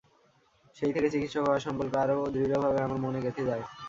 সেই থেকে চিকিৎক হওয়ার সংকল্প আরও দৃঢ়ভাবে আমার মনে গেঁথে যায়।